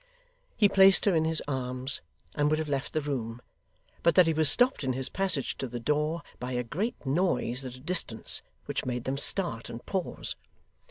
He placed her in his arms, and would have left the room, but that he was stopped in his passage to the door by a great noise at a distance, which made them start and pause.